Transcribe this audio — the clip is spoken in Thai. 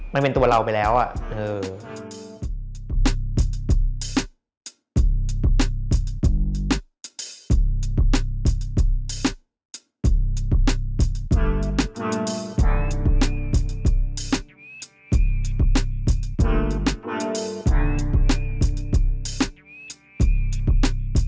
มันเป็นตัวเราไปแล้วอ่ะเออ